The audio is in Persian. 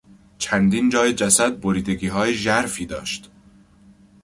چندین جای جسد بریدگیهای ژرفی داشت.